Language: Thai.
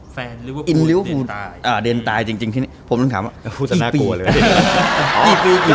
แฟนเรียกว่าพูดเด่นตายอ่าเด่นตายจริงที่นี่ผมต้องถามว่าพี่ปี